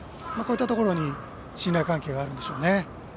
こういったところに信頼関係があるんでしょうね。